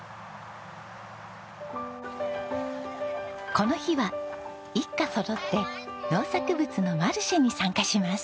この日は一家そろって農作物のマルシェに参加します。